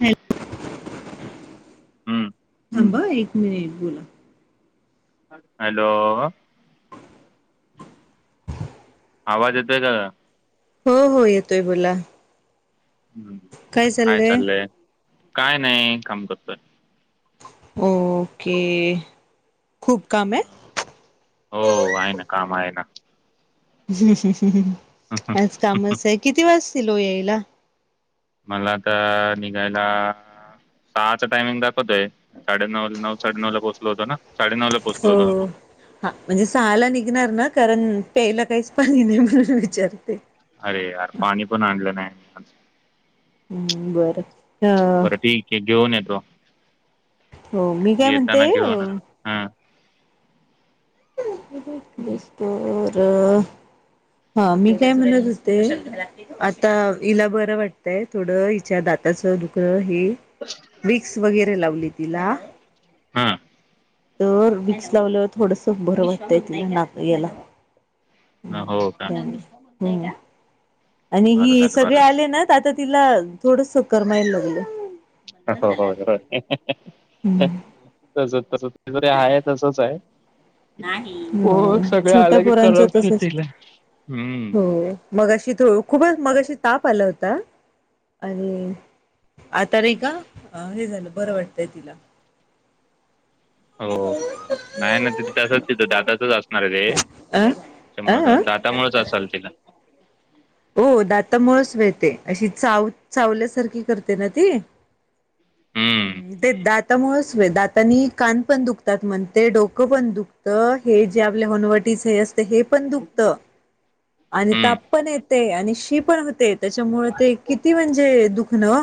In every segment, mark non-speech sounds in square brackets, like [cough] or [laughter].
हम [unintelligible] [inaudible] हम थांब एक मिनिट बोला. हॅलो. आवाज येतोय का? हो, हो येतोय बोला. हम्, काय चालेय काय नाही काम करतोय. ओके खूप काम हे? हो, आहे ना काम आहे ना. हम्मह आज कामच आहे किती वाजतील हो यायला? मला तर निघायला सहाच टायमिंग दाखवतेय साडेनऊ नऊ साडेनऊ ला पोचलो होतो ना साडेनऊ ला पोहोचलो होतो हो, हा म्हणजे सहाला निघणार ना कारण प्यायला काही पाणी नाही म्हणून विचारते. अरे यार पाणी पण आणलं नाही मी आज. हम्म बरं अ बरं ठीक आहे घेऊन ये तो हो मी काय येताना म्हणते घेऊन अ हा स्टोर हा मी काय म्हणत होते आता हिला बरं वाटतंय थोडं हिच्या दाता अस दुःख हे विक्स वगैरे लावली तिला हा तर विक्स लावल्यावर थोडंसं बरं वाटतंय तिला नाक याला हा हो का निंगा हम आणि बरं हि झालं सगळे बरं आले ना त्यात तिला थोडस करमायला लागलंय हो हो जरा हम्म तस तस आहे तसंच आहे नाही हो सगळे छोट्या आलं की पोरांचं तसच करप्शन असत हम्म. हो मगाशी तर खूपच मगाशी ताप आला होता. अरे आता रे का हे झालं बरं वाटतंय तिला हो नाही ना त तसंच तिथ दाताचच असणार आहे रे अं त्याच्यामुळ अ दातामुळेच असल तिला हो दाता मुळच वेळते अशी चाव चावल्यासारखी करते ना ती हम्म. हम्म ते दात दामुळेच दातांनी कान पण दुखतात म्हणते डोकं पण दुखतं हे जे आपल्या व्हनवटीच हे अस हे पण दुखत आणि हम्म. ताप पण येते आणि शी पण होते त्याच्यामुळ ते हो. किती म्हणजे दुखणं ओ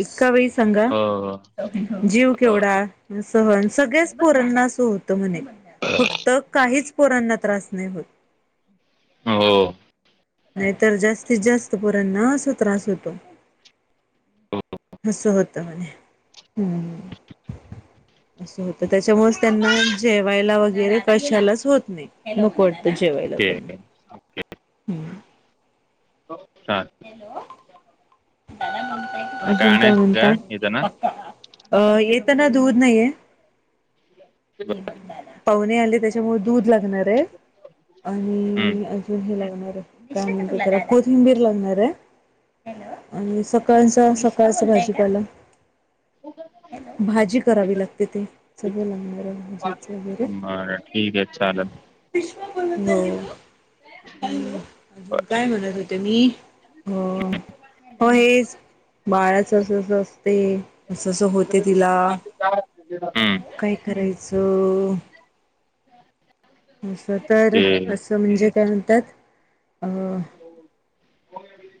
एका वेळी सांगा हो. जीव केवढा ह सगळ्याच पोरांना अस होत म्हणे फक्त काहीच पोरांना त्रास नाही होत. हो हो नाहीतर जास्तीत जास्त पोरांना असा त्रास होतो. अस होत म्हणे हम्म असं होतं त्याच्यामुळेच त्यांना जेवायला वगैरे कशालाच होत नाही नको जेवायला ओके. त्यांना हम् हो हॅलो मला अजुन काय आणायचं का म्हणता इथं ना? अ येताना दूध नाहीये पाहुणे आले त्याच्यामुळ दूध लागणार आहे [unintelligible] हम्म. आणि अजूनून [unintelligible] हे लावणार आहे त्यानंतर त्यारा कोथिंबीर लावणारय आणि सकाळच सकाळच भाजीपाला भाजी करावी लागते ते सगळं लागणार ज वगैरे [inaudible] बरं ठीक आहे चालेल. अजून बरं. काय म्हणत होते मी हो हो हेच बाळाच अस असते अस अस होते तिला हम्म सो [unintelligible] असं तर ओके. असं म्हणजे [unintelligible] म्हणत्यात अ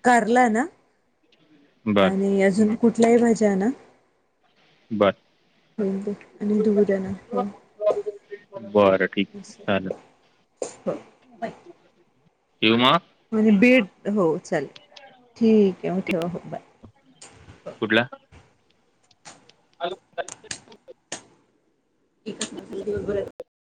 कारल ना [unintelligible] बर. आणि अजून कुठल्याही भाज्या ना बर. हो आणि धुऊ द ना हो बरं ठीक आहे. चालेल. च् [inaudible] किव म म्हणजे बीड हो चालेल ठीक आहे म ठेवा हो बाय अ [inaudible] इथंच मगमी दिवसभरत.